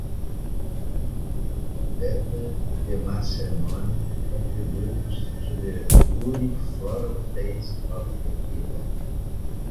Beta-demascenone contributes to the woody, floral taste of tequila.